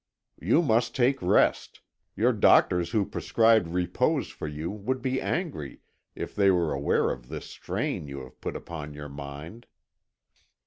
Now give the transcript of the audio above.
"You must take rest. Your doctors who prescribed repose for you would be angry if they were aware of the strain you have put upon your mind."